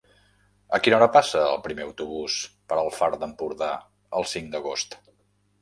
A quina hora passa el primer autobús per el Far d'Empordà el cinc d'agost?